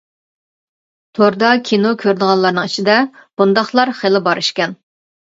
توردا كىنو كۆرىدىغانلارنىڭ ئىچىدە بۇنداقلار خېلى بار ئىكەن.